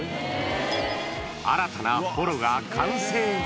新たなほろが完成。